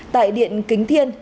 tại điện kính thiên